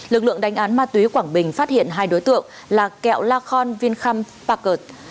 lực lượng đánh án ma túy quảng bình phát hiện hai đối tượng là kẹo la khon vinh khăm pacert